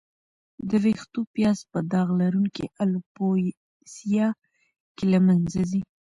د وېښتو پیاز په داغ لرونکې الوپیسیا کې له منځه ځي.